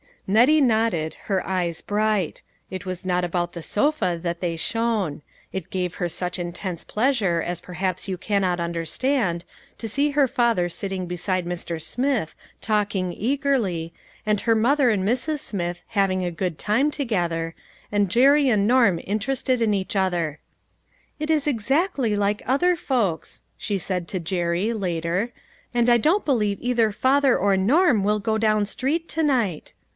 * Nettie nodded, her eyes bright; it was not about the sofa that they shone ; it gave her such intense pleasure as perhaps you cannot under stand, to see her father sitting beside Mr. Smith, talking eagerly, and her mother and Mrs. Smith having a good time together, and Jerry and Norm interested in each other. " It is ex actly like other folks !" she said to Jerry, later, "and I don't believe either father or Norm will go down street to night."